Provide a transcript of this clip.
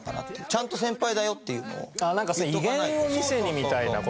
ちゃんと先輩だよっていうのを。